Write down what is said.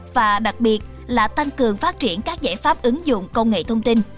và đặc biệt là tăng cường phát triển các giải pháp ứng dụng công nghệ thông tin